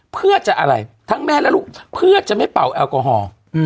เพื่อจะอะไรทั้งแม่และลูกเพื่อจะไม่เป่าแอลกอฮอล์